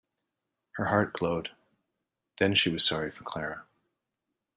Her heart glowed; then she was sorry for Clara.